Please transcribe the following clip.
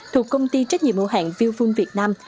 thuộc công ty trách nhiệm hữu hàng willfull việt nam